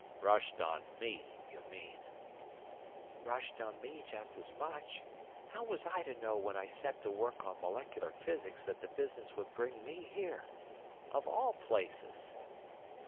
"Rushed on me, you mean." "Rushed on me just as much. How was I to know when I set to work on molecular physics that the business would bring me here—of all places?"